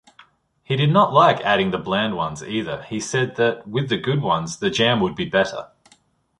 He did not like adding the bland ones either: he said that, with the good ones, the jam would be better.